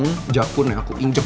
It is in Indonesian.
ini jakun yang aku injek